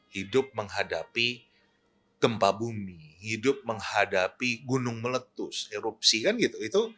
hidup menghadapi gempa bumi hidup menghadapi gunung meletus erupsi kan gitu